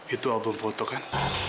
itu album foto kan